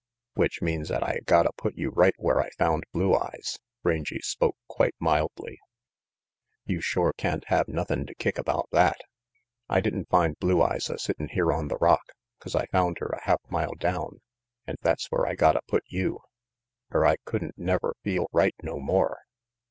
"Which means 'at I gotta put you right where I found Blue Eyes," Rangy spoke quite mildly. "You shore can't have nothin' to kick about that. I didn't find Blue Eyes a sittin' here on the rock, 'cause I found her a half mile down, an' that's where I gotta put you, er I could'n never feel right no more."